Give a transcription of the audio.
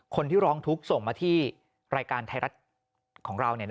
คนที่ร้องทุกข์ส่งมาที่รายการไทยรัฐของเรา